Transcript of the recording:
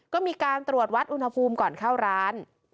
ก็มีการตรวจวัดอุณหภูมิก่อนเข้าร้าน